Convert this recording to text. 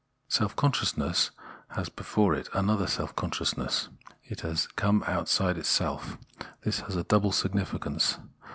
Self consciousness has before it another self con sciousness ; it has come outside itself. This has a double significance.